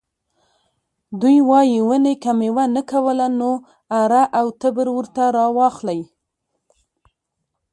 دوی وايي ونې که میوه نه کوله نو اره او تبر ورته راواخلئ.